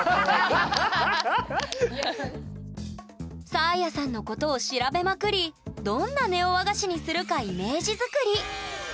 サーヤさんのことを調べまくりどんなネオ和菓子にするかイメージ作り！